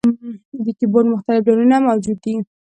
د کیبورډ مختلف ډولونه موجود دي.